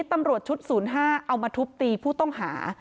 ตำรวจชุด๐๕เอามาทุบตีผู้ต้องหา